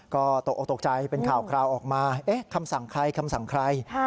ก็ตกออกตกใจเป็นข่าวคราวออกมาคำสั่งใครคำสั่งใคร